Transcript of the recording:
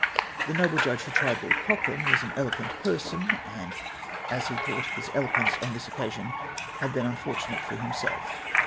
The noble judge who tried Lord Cochrane was an eloquent person, and, as he thought, his eloquence on this occasion had been unfortunate for himself.